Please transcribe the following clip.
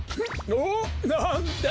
おっなんだ？